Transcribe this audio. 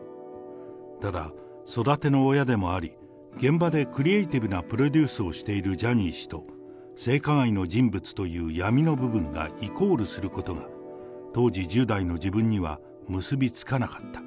ただ、育ての親でもあり、現場でクリエーティブなプロデュースをしているジャニー氏と、性加害の人物という闇の部分がイコールすることが、当時１０代の自分には、結び付かなかった。